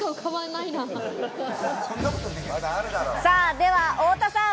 では太田さん。